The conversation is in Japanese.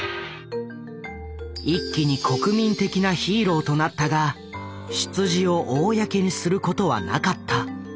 一気に国民的なヒーローとなったが出自を公にすることはなかった。